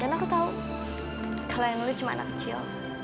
dan aku tahu kalian lu cuma anak kecil